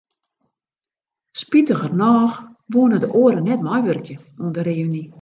Spitigernôch woene de oaren net meiwurkje oan de reüny.